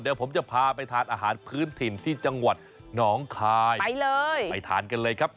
เดี๋ยวผมจะพาไปทานอาหารพื้นถิ่นที่จังหวัดหนองคายไปเลยไปทานกันเลยครับ